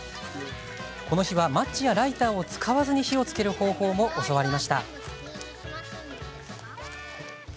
この日はマッチやライターを使わず火をつける方法も教わりました。